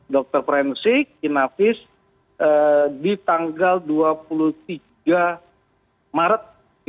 dr forensik kinafis di tanggal dua puluh tiga maret dua ribu dua puluh tiga